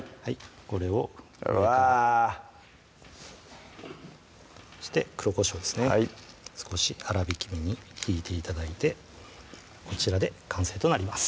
これを上からうわそして黒こしょうですね少し粗びきめにひいて頂いてこちらで完成となります